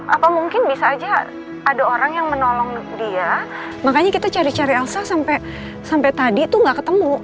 apa mungkin bisa aja ada orang yang menolong dia makanya kita cari cari elsa sampai tadi tuh gak ketemu